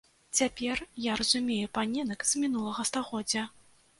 Цяпер я разумею паненак з мінулага стагоддзя!